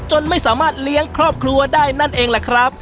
ไม่สามารถเลี้ยงครอบครัวได้นั่นเองแหละครับ